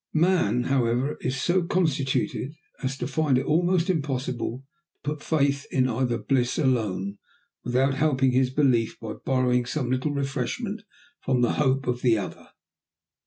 Man, however, is so constituted as to find it almost impossible to put faith in either bliss alone, without helping his belief by borrowing some little refreshment from the hope of the other.